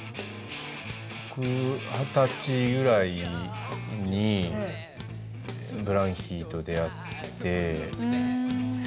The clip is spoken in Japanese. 僕二十歳ぐらいにＢＬＡＮＫＥＹと出会ってうわ